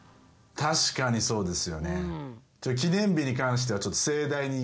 確かにそうですよね。